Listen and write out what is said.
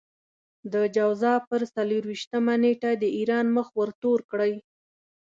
د جوزا پر څلور وېشتمه نېټه د ايران مخ ورتور کړئ.